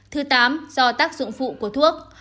thứ tám do tác dụng phụ của thuốc